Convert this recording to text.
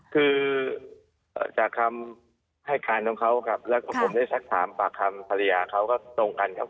คือจากคำให้การของเขาครับแล้วก็ผมได้สักถามปากคำภรรยาเขาก็ตรงกันครับ